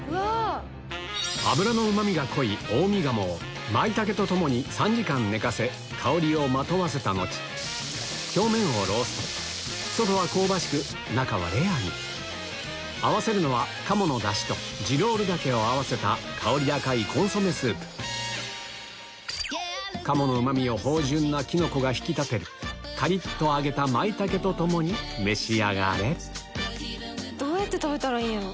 脂のうまみが濃い舞茸と共に３時間寝かせ香りをまとわせた後表面をロースト外は香ばしく中はレアに合わせるのは香り高いコンソメスープ鴨のうまみを芳醇なキノコが引き立てるカリっと揚げた舞茸と共に召し上がれどうやって食べたらいいんやろ。